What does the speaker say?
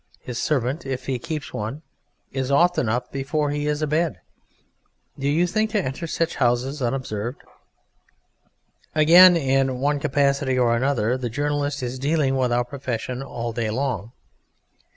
His servant (if he keeps one) is often up before he is abed. Do you think to enter such houses unobserved? Again, in one capacity or another, the journalist is dealing with our profession all day long.